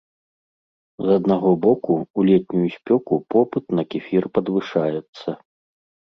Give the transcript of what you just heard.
З аднаго боку, у летнюю спёку попыт на кефір падвышаецца.